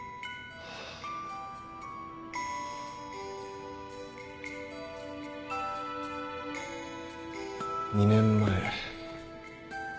ハァ。２年前。